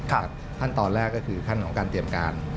ขั้นตอนแรกก็คือขั้นตอนของการเตรียมการ